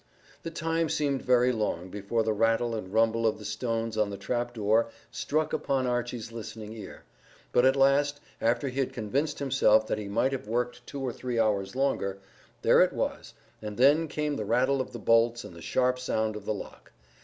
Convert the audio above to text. The time seemed very long before the rattle and rumble of the stones on the trap door struck upon Archy's listening ear, but at last, after he had convinced himself that he might have worked two or three hours longer, there it was, and then came the rattle of the bolts and the sharp sound of the lock.